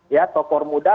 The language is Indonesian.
ya tokoh muda